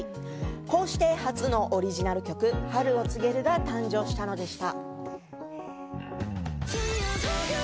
こうして初のオリジナル曲『春を告げる』が誕生したのでした。